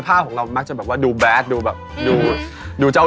ตอนนี้ฉันกลับมาคุณย้อนคืนเรา